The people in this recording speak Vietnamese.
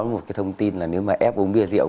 một cái thông tin là nếu mà ép uống bia rượu